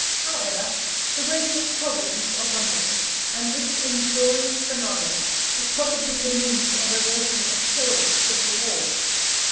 However, the ways of Providence are wonderful, and this inglorious finale was probably the means of averting a terrible civil war.